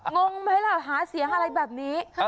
งงไหมล่ะหาเสียงอะไรแบบนี้